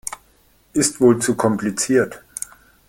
Ist wohl zu kompliziert.